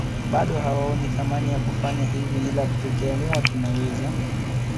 Bado hawaoni thamani ya kufanya hivi ila tukiamua tunaweza